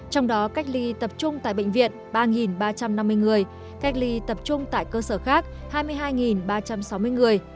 trong đó cách ly tập trung tại bệnh viện ba ba trăm năm mươi người cách ly tập trung tại cơ sở khác hai mươi hai ba trăm sáu mươi người